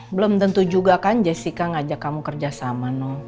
belum tentu juga kan jessica ngajak kamu kerja sama noh